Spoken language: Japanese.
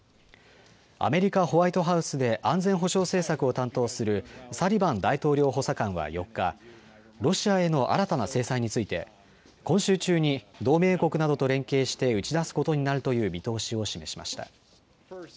アメリカ・ホワイトハウスで安全保障政策を担当するサリバン大統領補佐官は４日、ロシアへの新たな制裁について今週中に同盟国などと連携して打ち出すことになるという見通しを示しました。